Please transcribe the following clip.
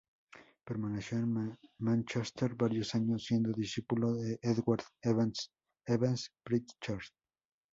Permaneció en Mánchester varios años, siendo discípulo de Edward Evan Evans-Pritchard.